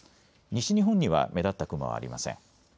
西日本には目立った雲はありません。